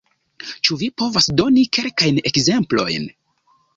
Ĉu vi povas doni kelkajn ekzemplojn?